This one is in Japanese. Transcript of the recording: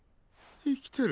生きてる。